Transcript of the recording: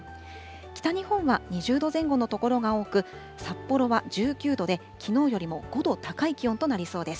北日本は２０度前後の所が多く、札幌は１９度で、きのうよりも５度高い気温となりそうです。